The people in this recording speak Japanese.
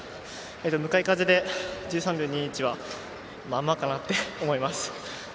向かい風で１３秒２１はまあまあかなって思います。